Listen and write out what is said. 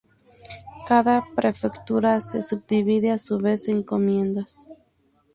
Cada prefectura se subdivide a su vez en Encomiendas.